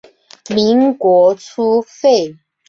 民国初废。